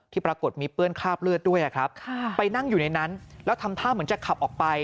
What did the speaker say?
ปรากฏมีเปื้อนคราบเลือดด้วยครับไปนั่งอยู่ในนั้นแล้วทำท่าเหมือนจะขับออกไป